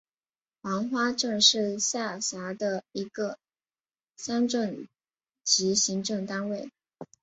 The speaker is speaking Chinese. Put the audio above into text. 黄花镇是下辖的一个乡镇级行政单位。